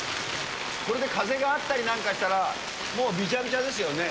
これで風があったりなんかしたら、もうびちゃびちゃですよね。